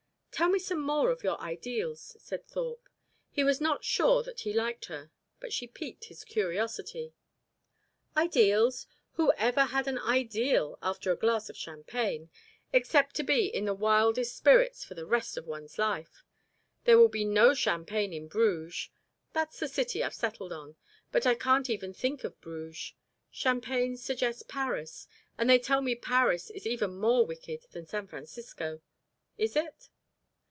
"Tell me some more of your ideals," said Thorpe. He was not sure that he liked her, but she piqued his curiosity. "Ideals? Who ever had an ideal after a glass of champagne except to be in the wildest spirits for the rest of one's life? There will be no champagne in Bruges that's the city I've settled on; but I can't even think of Bruges. Champagne suggests Paris, and they tell me Paris is even more wicked than San Francisco. Is it?"